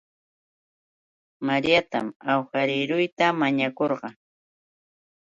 Mariatam awhariieruta mañakurqaa